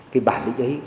cái bản định ấy